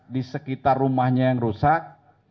di sekitar rumahnya yang rusak